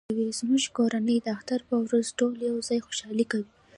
زموږ کورنۍ د اختر په ورځ ټول یو ځای خوشحالي کوي